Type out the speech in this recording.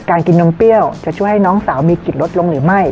กินนมเปรี้ยวจะช่วยให้น้องสาวมีกิจลดลงหรือไม่